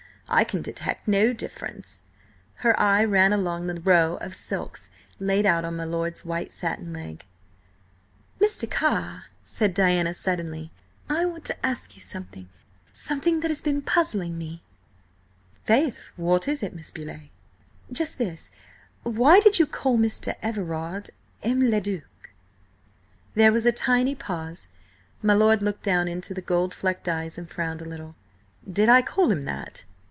I can detect no difference." Her eye ran along the row of silks laid out on my lord's white satin leg. "Mr. Carr," said Diana suddenly, "I want to ask you something–something that has been puzzling me." "Faith, what is it, Miss Beauleigh?" "Just this: why did you call Mr. Everard M. le Duc?" There was a tiny pause. My lord looked down into the gold flecked eyes and frowned a little. "Did I call him that?"